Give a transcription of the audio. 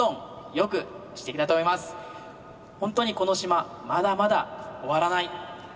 ほんとにこの島まだまだ終わらない。